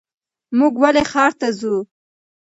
مونږ ولې ښار ته ځو؟